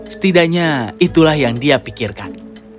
setidaknya itulah yang dia pikirkan